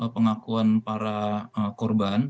pengakuan para korban